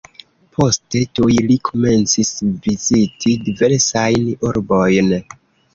Poste tuj li komencis viziti diversajn urbojn.